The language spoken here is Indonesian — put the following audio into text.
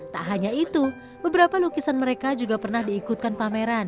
tak hanya itu beberapa lukisan mereka juga pernah diikutkan pameran